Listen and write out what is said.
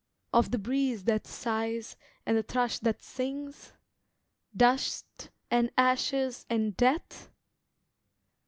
Of the breeze that sighs, and the thrush that sings? Dust and ashes and death?